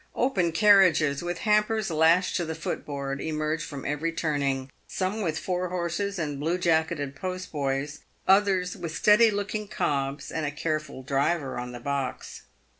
Open carriages, with hampers lashed to the footboard, emerge from every turning, some with four horses and blue jacketed postboys, others with steady looking cobs and a careful driver on the box.